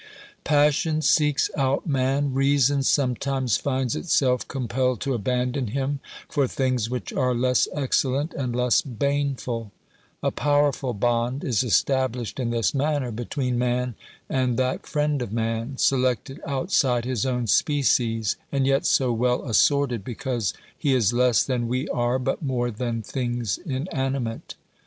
Passion seeks out man, reason sometimes finds itself compelled to abandon him for things which are less excellent and less baneful. 1 1 6 OBERMANN A powerful bond is established in this manner between man and that friend of man, selected outside his own species, and yet so well assorted because he is less than we are but more than things inanimate.